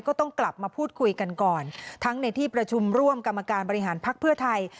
ก็ต้องกลับมาพูดคุยกันก่อนทั้งในที่ประชุมร่วมกรรมการบริหารภักดิ์เพื่อไทย